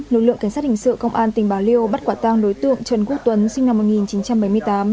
lực lượng kiến sát hình sự công an tỉnh bạc liêu bắt quả tang đối tượng trần quốc tuấn sinh năm